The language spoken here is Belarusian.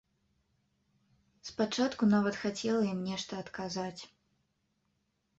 Спачатку нават хацела ім нешта адказаць.